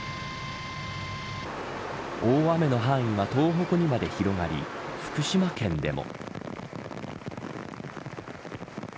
大雨の範囲が東北にまで広がり福島県でも。